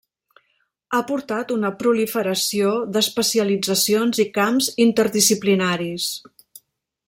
Ha portat a una proliferació d'especialitzacions i camps interdisciplinaris.